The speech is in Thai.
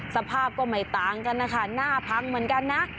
สภาพก็ไม่ต่างกันนะคะหน้าพังเหมือนกันนะ